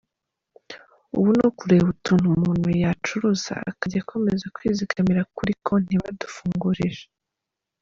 Ubu ni ukureba utuntu umuntu yacuruza akajya akomeza kwizigamira kuri konti badufungurije.